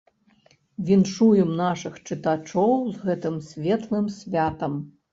Віншуем нашых чытачоў з гэтым светлым святам.